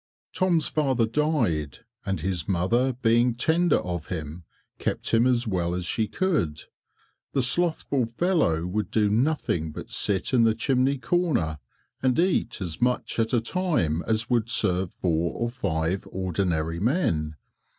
Tom's father died, and his mother being tender of him, kept him as well as she could. The slothful fellow would do nothing but sit in the chimney corner, and eat as much at a time as would serve four or five ordinary men.